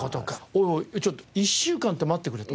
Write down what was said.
おいおいちょっと１週間って待ってくれと。